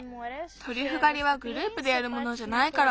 トリュフがりはグループでやるものじゃないから。